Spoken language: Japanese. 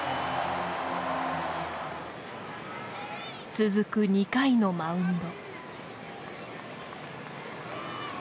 続く２回のマウンド。